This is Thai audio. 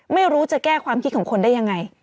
ไม่รู้จะแก้ความคิดของคนได้ยังไง